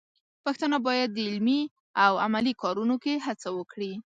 پښتانه بايد د علمي او عملي کارونو کې هڅه وکړي.